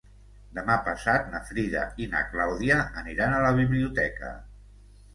Demà passat na Frida i na Clàudia aniran a la biblioteca.